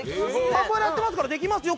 カポエイラやってますからできますよ。